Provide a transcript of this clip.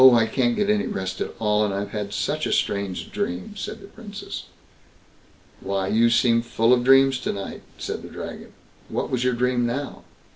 I can't get any rest at all, and I've had such a strange dream", said the Princess. "Why, you seem full of dreams to night", said the Dragon what was your dream now?"